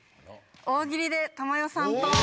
大喜利で珠代さんと。